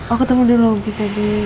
oh ketemu di lobby tadi